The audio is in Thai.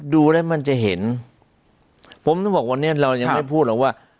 ดูแล้วมันจะเห็นผมต้องบอกวันนี้เรายังไม่พูดหรอกว่า